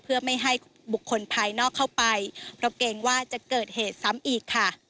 เพื่อไม่ให้บุคคลภายนอกเข้าไปเพราะเกรงว่าจะเกิดเหตุซ้ำอีกค่ะ